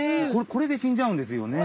これで死んじゃうんですよね。